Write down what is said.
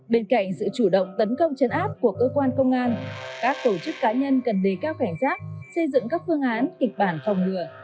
bên cạnh sự chủ động tấn công chấn áp của cơ quan công an các tổ chức cá nhân cần đề cao cảnh giác xây dựng các phương án kịch bản phòng lửa